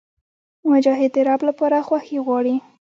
مجاهد د رب لپاره خوښي غواړي.